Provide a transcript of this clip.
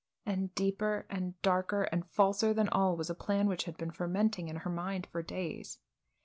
And deeper and darker and falser than all was a plan which had been fermenting in her mind for days.